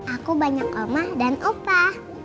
aku banyak omah dan opah